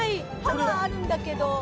歯があるんだけど。